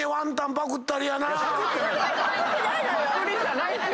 パクりじゃないっすよ！